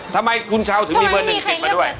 ทำไมคุณเช้าถึงมีเบอร์๑ติดมาด้วย